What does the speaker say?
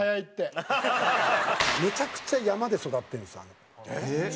めちゃくちゃ山で育ってるんです周東って。